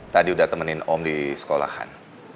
tadi udah temenin om di sekolahan